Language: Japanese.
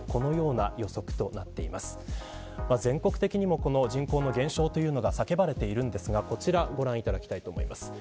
全国的にも人口の減少というのが叫ばれていますがこちらをご覧いただきたいと思います。